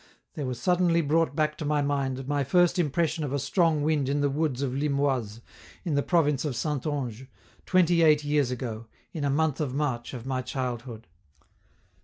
There was suddenly brought back to my mind my first impression of a strong wind in the woods of Limoise, in the province of Saintonge, twenty eight years ago, in a month of March of my childhood.